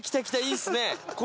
いいっすね！